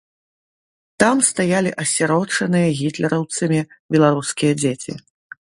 Там стаялі асірочаныя гітлераўцамі беларускія дзеці.